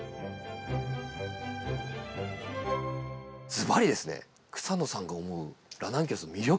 ずばりですね草野さんが思うラナンキュラスの魅力って？